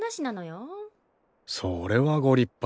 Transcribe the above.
それはご立派。